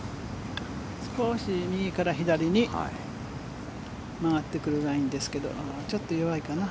少し右から左に曲がってくるラインですがちょっと弱いかな。